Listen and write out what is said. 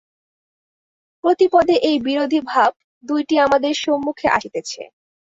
প্রতিপদে এই বিরোধী ভাব-দুইটি আমাদের সম্মুখে আসিতেছে।